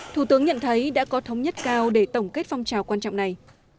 thủ tướng nhận thấy đã có thống nhất cao để tổng kết phong trào quan trọng này